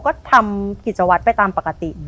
ก็ทำกิจวัตรไปตามปกติ